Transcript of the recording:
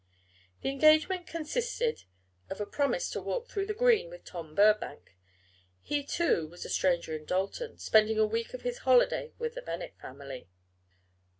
That engagement consisted of a promise to walk through the Green with Tom Burbank he, too, was a stranger in Dalton, spending a week of his holiday with the Bennet family.